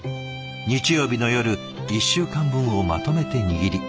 日曜日の夜１週間分をまとめて握り